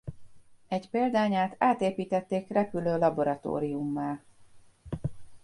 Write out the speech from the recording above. Egy példányát átépítették repülő laboratóriummá.